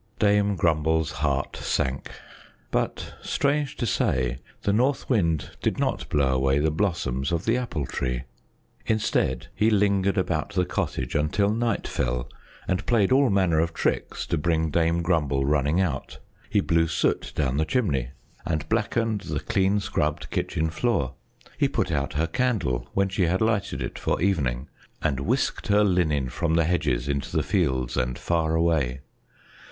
Dame Grumble's heart sank; but, strange to say, the North Wind did not blow away the blossoms of the Apple Tree. Instead, he lingered about the cottage until night fell and played all manner of tricks to bring Dame Grumble running out. He blew soot down the chimney and blackened the clean scrubbed kitchen floor; he put out her candle when she had lighted it for evening; and whisked her linen from the hedges into the fields and far away.